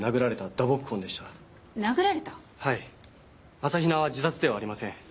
朝比奈は自殺ではありません。